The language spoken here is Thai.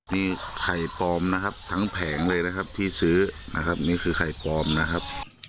มีไข่ปลอมนะครับทั้งแผงเลยนะครับที่ซื้อนะครับนี่คือไข่ปลอมนะครับ